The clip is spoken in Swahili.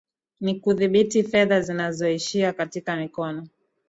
ni kudhibiti fedha zinazoishia katika mikono